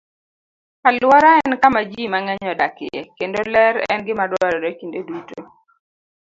Alwora en kama ji mang'eny odakie, kendo ler en gima dwarore kinde duto.